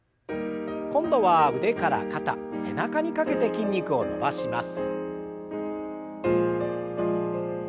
今度は腕から肩背中にかけて筋肉を伸ばします。